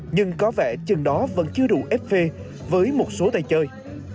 nhưng có vẻ chừng đó vẫn chưa đủ ffe với một số tay chơi